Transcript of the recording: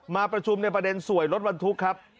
มาประชุมในประเด็นสวยลดวันทุกข์ครับ